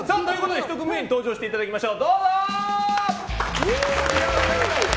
１組目に登場していただきましょう！